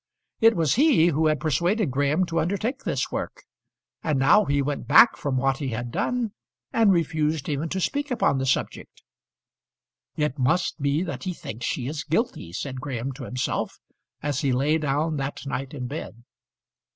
It was he who had persuaded Graham to undertake this work, and now he went back from what he had done, and refused even to speak upon the subject. "It must be that he thinks she is guilty," said Graham to himself, as he lay down that night in bed.